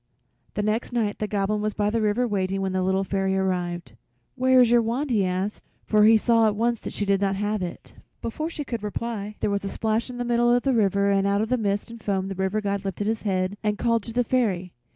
The next night the Goblin was by the river waiting when the Little Fairy arrived. "Where is your wand?" he asked, for he saw at once she did not have it. Before she could reply there was splash in the middle of the river and out of the mist and foam the River God lifted his head and called to the Fairy.